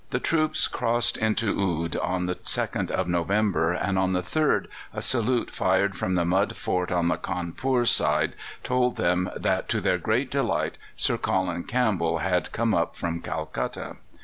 The troops crossed into Oude on the 2nd of November, and on the 3rd a salute fired from the mud fort on the Cawnpore side told them that, to their great delight, Sir Colin Campbell had come up from Calcutta.